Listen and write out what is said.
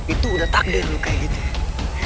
itu udah takdir lu kayak gitu